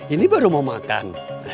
ini baru mau makan